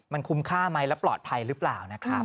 มันคุ้มค่าไหมและปลอดภัยหรือเปล่านะครับ